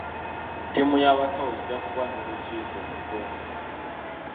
Ttiimu y'abasawo ejja kuba n'olukiiko mu ttuntu.